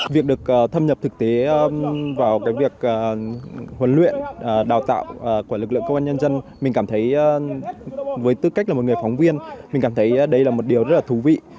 việc được thâm nhập thực tế vào việc huấn luyện đào tạo của lực lượng công an nhân dân mình cảm thấy với tư cách là một người phóng viên mình cảm thấy đây là một điều rất là thú vị